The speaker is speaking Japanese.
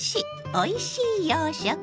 おいしい洋食」。